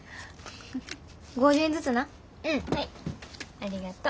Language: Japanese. ありがとう。